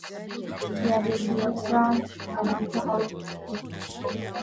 ya redio france international muziki